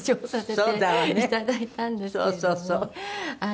そうそうそう。